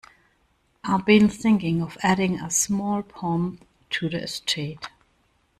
I'd been thinking of adding a small pond to the estate.